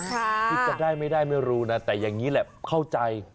คือจะได้ไม่ได้ไม่รู้นะแต่อย่างนี้แหละเข้าใจ